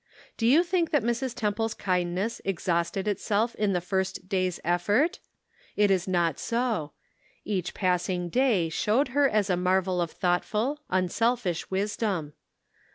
Do you think that Mrs. Temple's kindness exhausted itself in the first day's effort? It is not so; each passing day showed her as a marvel of thought ful, unselfish wisdom.